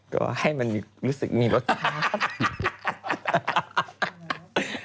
ก็ให้มันรู้สึกมีรสชาติ